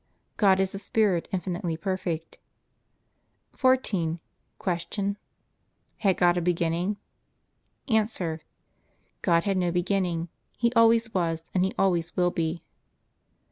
God is a spirit infinitely perfect. 14. Q. Had God a beginning? A. God had no beginning; He always was and He always will be.